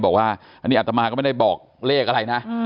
บอกว่าอันนี้อัตมาก็ไม่ได้บอกเลขอะไรนะ